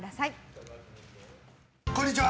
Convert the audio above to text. こんにちは。